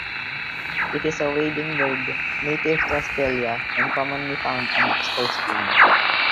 It is a wading bird native to Australia and commonly found on its coastline.